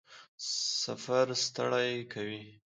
سفر ستړی کوي؟